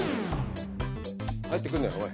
入ってくんなよおい。